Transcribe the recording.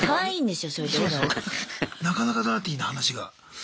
なかなかダーティーな話が。